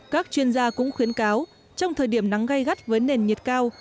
các chuyên gia cũng khuyến cáo trong thời điểm nắng gây gắt với nền nhiệt cao